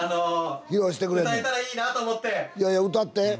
いやいや歌って！